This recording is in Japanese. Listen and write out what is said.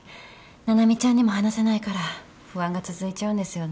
七海ちゃんにも話せないから不安が続いちゃうんですよね。